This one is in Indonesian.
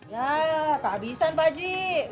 ya kehabisan pak haji